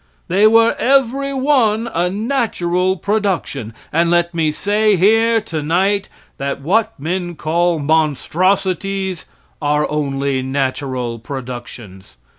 They were every one a natural production, and let me say here, tonight, that what men call monstrosities are only natural productions.